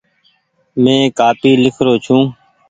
مينٚ ڪآپي لکرو ڇو